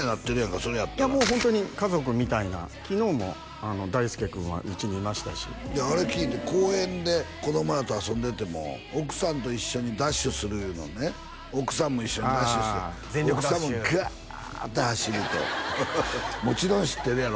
それやったらもうホントに家族みたいな昨日も大輔君はうちにいましたしあれ聞いて公園で子供らと遊んでても奥さんと一緒にダッシュするいうのをね奥さんも一緒にダッシュして全力ダッシュ奥さんもガーッて走るともちろん知ってるやろ？